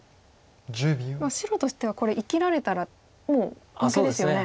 白としてはこれ生きられたらもう負けですよね。